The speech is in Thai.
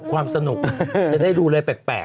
ความสนุกจะได้ดูอะไรแปลก